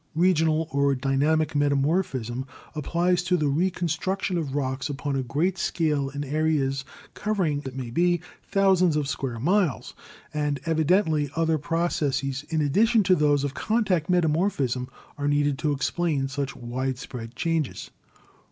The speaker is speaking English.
"Regional or Dynamic Metamorphism applies to the reconstruction of rocks upon a great scale in areas cover ing, it may be, thousands of square miles, and evidently other processes in addition to those of contact meta morphism are needed to explain such widespread changes.